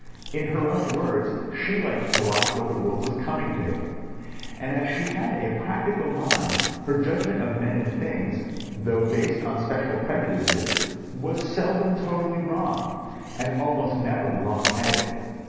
In her own words, she liked to watch what the world was coming to. And as she had a practical mind her judgment of men and things, though based on special prejudices, was seldom totally wrong, and almost never wrong headed.